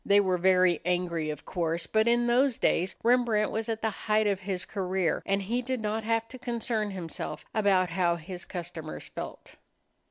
They were very angry, of course, but in those days Rembrandt was at the height of his career and he did not have to concern himself about how his customers felt.